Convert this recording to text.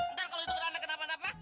ntar kalo itu ada kenapa kenapa